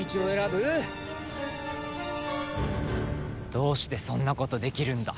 どうしてそんなことできるんだ？